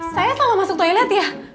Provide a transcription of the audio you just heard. saya selalu masuk toilet ya